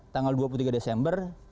tanggal dua puluh tiga desember